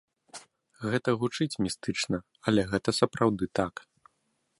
Гэта гучыць містычна, але гэта сапраўды так.